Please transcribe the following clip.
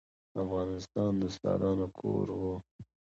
افغانستان د استادانو کور و.